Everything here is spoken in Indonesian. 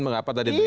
mengapa tadi dia